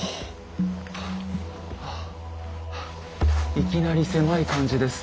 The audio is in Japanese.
いきなり狭い感じです。